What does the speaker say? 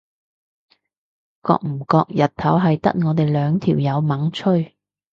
覺唔覺日頭係得我哋兩條友猛吹？